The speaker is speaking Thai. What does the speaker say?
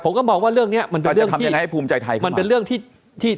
ผมก็มองว่าเรื่องนี้มันเป็นเรื่องที่มันเป็นเรื่องที่